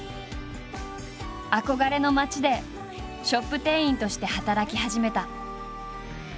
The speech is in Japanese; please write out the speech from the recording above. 憧れの街でショップ店員として働き始めた。